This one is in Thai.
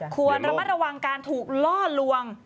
ควรระมัดระวังการถูกล่อลวง